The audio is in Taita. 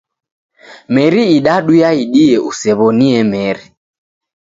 Meri idadu yaidie usew'onie meri.